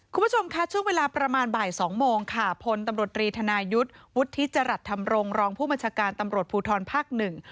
คุณผู้ชมค่ะช่วงเวลาประมาณบ่ายสองโมงค่ะพลตำรวจรีธนายุทธ์วุฒิจรัสธรรมรงครองผู้บัญชาการตำรวจภูทรภาคหนึ่ง